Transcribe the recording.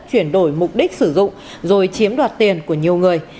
chuyển đổi mục đích sử dụng rồi chiếm đoạt tiền của nhiều người